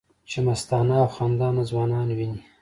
چې مستانه او خندانه ځوانان وینې